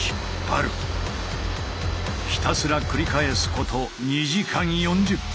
ひたすら繰り返すこと２時間４０分。